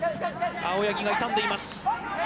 青柳が痛んでいます。